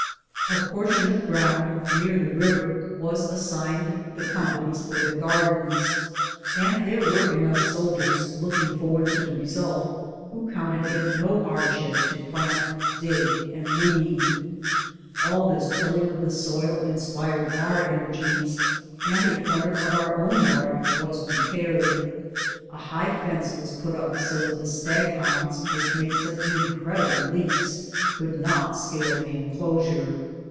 A portion of ground near the river was assigned the companies for their gardens, and there were enough soldiers looking forward to the result who counted it no hardshi]) to plant, dig, and weed. All this tilling of the soil inspired our energies, and a corner of our own yard was prepared. A high fence was put up so that the stag hounds, which make such incredible leaps, could not scale the enclosure.